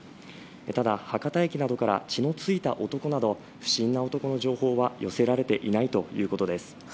ただ、博多駅などから血の付いた男など不審な男の情報は寄せられていないということです。